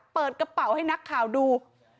เปิดกระเป๋าให้นักข่าวดู